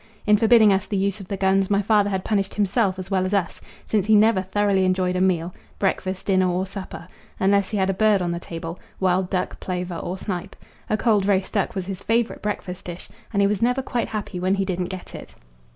In forbidding us the use of the guns my father had punished himself as well as us, since he never thoroughly enjoyed a meal breakfast, dinner, or supper unless he had a bird on the table, wild duck, plover, or snipe. A cold roast duck was his favourite breakfast dish, and he was never quite happy when he didn't get it.